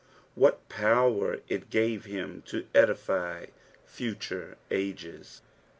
What pouxr it gaix Aim to edify futurt wjes